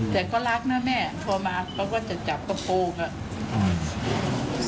แต่เขารักนะแม่พอมาเขาก็จะจับประโปรงนะ